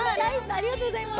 ありがとうございます。